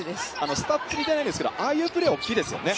スタッツには出ないんですがああいうプレーは大きいですよね。